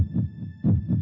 lu benci sama tristan